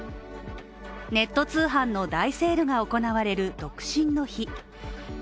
ネット通販の大セールが行われる独身の日。